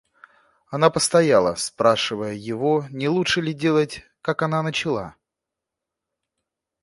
Она постояла, спрашивая его, не лучше ли делать, как она начала.